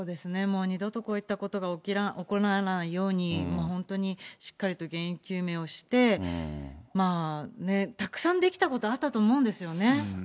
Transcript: もう二度とこういったことが起こらないように、本当にしっかりと原因究明をして、たくさんできたことあったと思うんですよね。